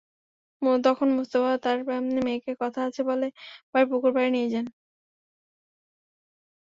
তখন মোস্তফা তাঁর মেয়েকে কথা আছে বলে বাড়ির পুকুরপাড়ে নিয়ে যান।